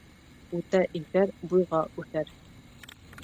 Үтә иҫәр буйға үҫәр.